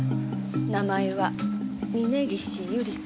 名前は峰岸百合子。